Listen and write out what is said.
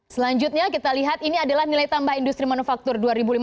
selanjutnya kita lihat ini adalah nilai tambah industri manufaktur dua ribu lima belas